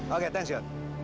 oke thanks ya